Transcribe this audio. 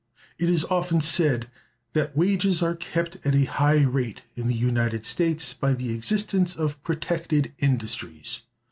(368) It is often said that wages are kept at a high rate in the United States by the existence of protected industries.